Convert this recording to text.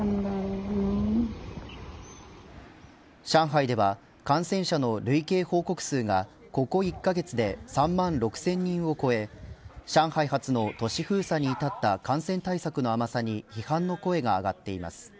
上海では感染者の累計報告数がここ１カ月で３万６０００人を超え上海初の都市封鎖に至った感染対策の甘さに批判の声が上がっています。